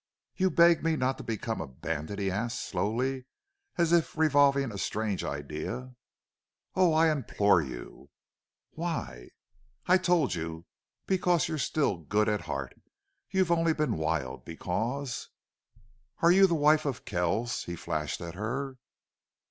"You beg me not to become a bandit?" he asked, slowly, as if revolving a strange idea. "Oh, I implore you!" "Why?" "I told you. Because you're still good at heart. You've only been wild.... Because " "Are you the wife of Kells?" he flashed at her.